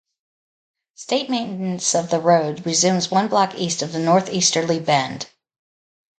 State maintenance of the road resumes one block east of the northeasterly bend.